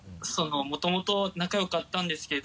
もともと仲良かったんですけど。